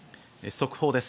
速報です。